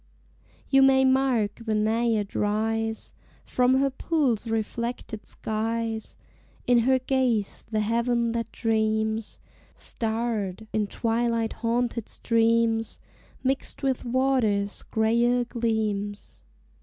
You may mark the naiad rise From her pool's reflected skies; In her gaze the heaven that dreams, Starred, in twilight haunted streams, Mixed with water's grayer gleams.